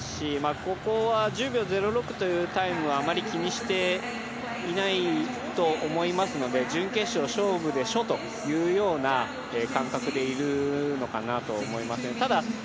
ここは１０秒０６というタイムはあまり気にしていないと思いますので、準決勝が勝負でしょというような感覚でいるのかなと思います。